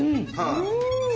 うん！